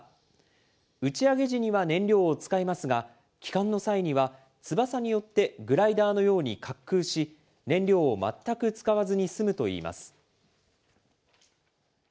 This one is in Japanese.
打ち上げ時には燃料を使いますが、帰還の際には翼によってグライダーのように滑空し、燃料を全く使わずに済むといいます。